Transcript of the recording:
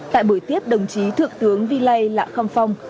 tại buổi tiếp đồng chí thượng tướng vy lai lạ khong phong